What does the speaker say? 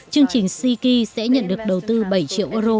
chương trình ci sẽ nhận được đầu tư bảy triệu euro